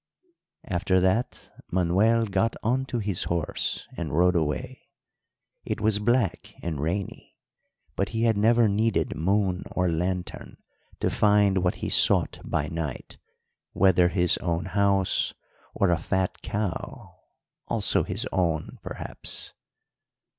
"After that Manuel got on to his horse and rode away. It was black and rainy, but he had never needed moon or lantern to find what he sought by night, whether his own house, or a fat cow also his own, perhaps.